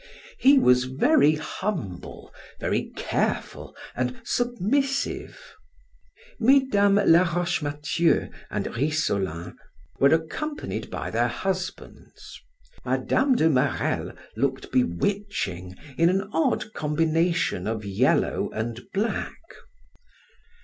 He was very humble, very careful, and submissive. Mmes. Laroche Mathieu and Rissolin were accompanied by their husbands. Mme. de Marelle looked bewitching in an odd combination of yellow and black.